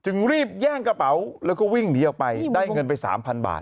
รีบแย่งกระเป๋าแล้วก็วิ่งหนีออกไปได้เงินไป๓๐๐บาท